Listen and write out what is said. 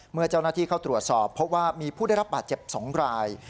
เมื่อเจ้าหน้าที่เข้าตรวจสอบพบว่ามีผู้ได้รับบาดเจ็บ๒ราย